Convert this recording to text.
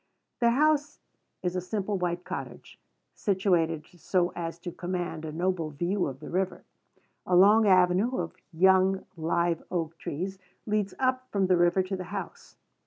Their house is a simple white cottage, situated so as to command a noble view of the river. A long avenue of young live oak trees leads up from the river to the house.